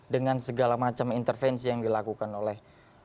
dengan segala macam intervensi yang dilakukan oleh